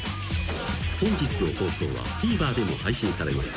［本日の放送はＴＶｅｒでも配信されます。